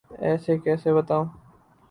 ایسے کیسے بتاؤں؟